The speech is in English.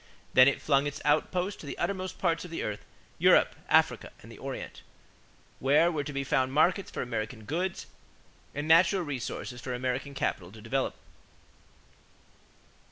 Then it flung its outposts to the uttermost parts of the earth Europe, Africa, and the Orient where were to be found markets for American goods and natural resources for American capital to develop.